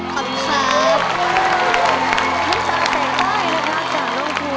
ขอมีเป็นชาติในคลิปของน้ำตาแสงใต้นะคะ